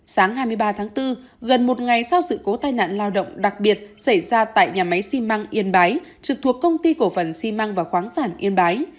sáng hai mươi ba tháng bốn gần một ngày sau sự cố tai nạn lao động đặc biệt xảy ra tại nhà máy xi măng yên bái trực thuộc công ty cổ phần xi măng và khoáng sản yên bái